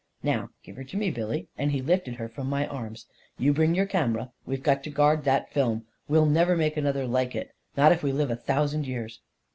Now, give her to me, Billy," and he lifted her from my arms. " You bring your camera. We've got to guard that film — we'll never make another like it — not if we live a thousand years